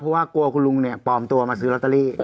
เพราะว่ากลัวคุณลุงเนี่ยปลอมตัวมาซื้อลอตเตอรี่